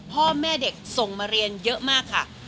พ่อแม่เด็กส่งมาเรียนเยอะมากค่ะ